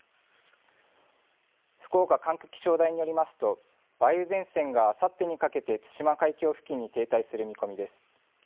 福岡管区気象台によりますと、梅雨前線があさってにかけて、対馬海峡付近に停滞する見込みです。